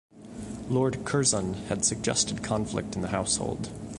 Lord Curzon had suggested conflict in the household.